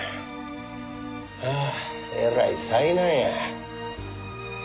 はあえらい災難や。